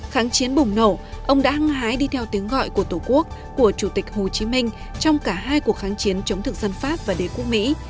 kháng chiến bùng nổ ông đã hăng hái đi theo tiếng gọi của tổ quốc của chủ tịch hồ chí minh trong cả hai cuộc kháng chiến chống thực dân pháp và đế quốc mỹ